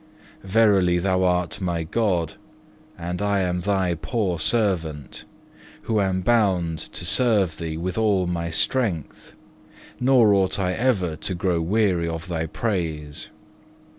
Verily Thou art my God, and I am Thy poor servant, who am bound to serve Thee with all my strength, nor ought I ever to grow weary of Thy praise.